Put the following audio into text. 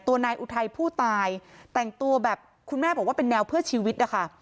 นายอุทัยผู้ตายแต่งตัวแบบคุณแม่บอกว่าเป็นแนวเพื่อชีวิตนะคะ